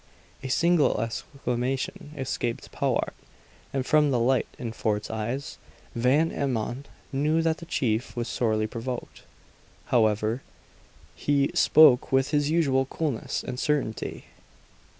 A single exclamation escaped Powart, and from the light in Fort's eyes, Van Emmon knew that the chief was sorely provoked. However, he spoke with his usual coolness and certainty.